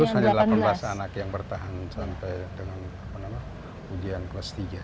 terus hanya delapan belas anak yang bertahan sampai dengan ujian kelas tiga